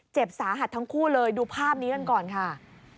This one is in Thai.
เจ็บสาหัสทั้งคู่เลยดูภาพนี้กันก่อนค่ะ